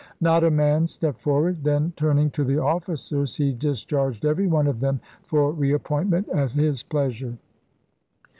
Not a man stepped forward. Then, turning to the officers, he discharged every one of them for re appointment at his pleasure.